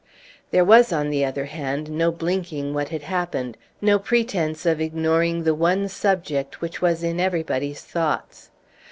There was, on the other hand, no blinking what had happened, no pretence of ignoring the one subject which was in everybody's thoughts.